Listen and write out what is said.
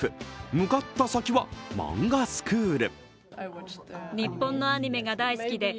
向かった先は、マンガスクール。